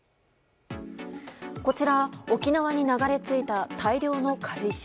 こちら、沖縄に流れ着いた大量の軽石。